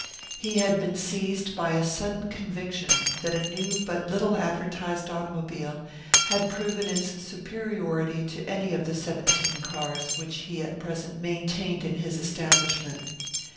He had been seized by a sudden conviction that a new and but little advertised automobile had proven its superiority to any of the seventeen cars which he at present maintained in his establishment.